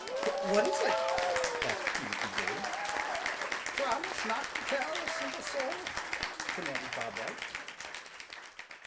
"What is it?" asked Peter eagerly. "Promise not to tell a single soul," commanded Bob White.